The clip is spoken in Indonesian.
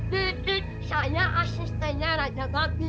dikit saya asistennya raja babi